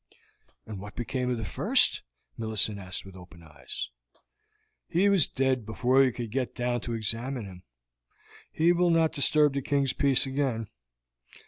"And what became of the first?" Millicent asked with open eyes. "He was dead before we could get down to examine him; he will not disturb the King's peace again.